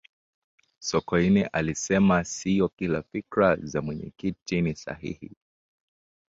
sokoine alisema siyo kila fikra za mwenyekiti ni sahihi